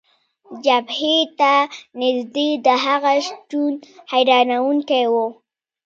جبهې ته نژدې د هغه شتون، حیرانونکی و.